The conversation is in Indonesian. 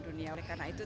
menuju ke indonesia